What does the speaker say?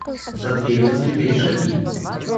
За дверью заскрипели шаги.